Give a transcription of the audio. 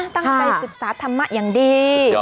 ตั้งใจศึกษาธรรมะอย่างดี